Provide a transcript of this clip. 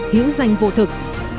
hiểu danh vô thực